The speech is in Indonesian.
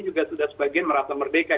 juga sudah sebagian merasa merdeka